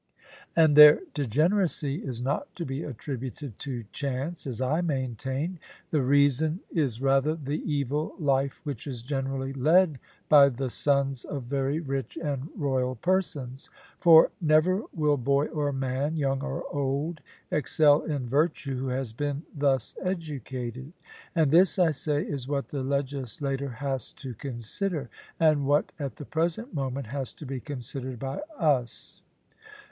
And their degeneracy is not to be attributed to chance, as I maintain; the reason is rather the evil life which is generally led by the sons of very rich and royal persons; for never will boy or man, young or old, excel in virtue, who has been thus educated. And this, I say, is what the legislator has to consider, and what at the present moment has to be considered by us.